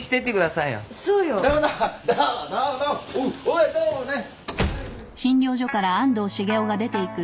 おいどうもね。